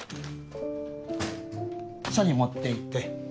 署に持って行って。